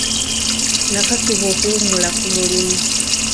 Nakakibwa okuwummula ku mulimu.